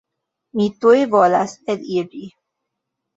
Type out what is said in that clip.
Mi tuj volas eliri.